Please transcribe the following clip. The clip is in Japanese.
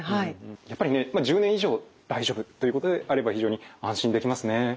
やっぱりね１０年以上大丈夫ということであれば非常に安心できますね。